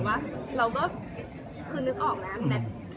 แต่ว่าเราก็คือนึกออกนะแมท